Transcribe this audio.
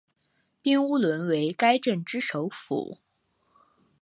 彬乌伦为该镇之首府。